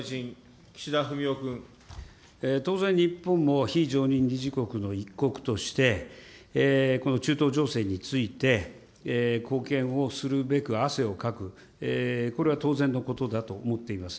当然、日本も非常任理事国の一国として、この中東情勢について、貢献をするべく汗をかく、これは当然のことだと思っています。